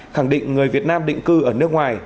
khẳng định người việt nam định cư ở nước ngoài